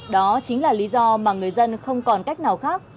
đó chính là lý do mà người dân không còn cách nào khác